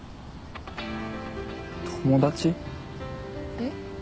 えっ？